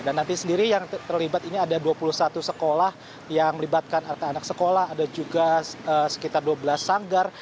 dan nanti sendiri yang terlibat ini ada dua puluh satu sekolah yang melibatkan arta anak sekolah ada juga sekitar dua belas sanggar